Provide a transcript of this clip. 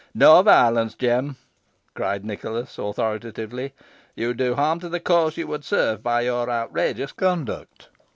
"No violence, Jem," cried Nicholas, authoritatively "you do harm to the cause you would serve by your outrageous conduct."